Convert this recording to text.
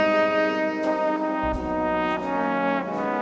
โปรดติดตามต่อไป